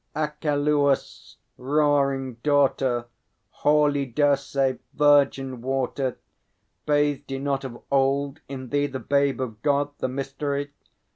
_ Acheloüs' roaming daughter, Holy Dircê, virgin water, Bathed he not of old in thee, The Babe of God, the Mystery?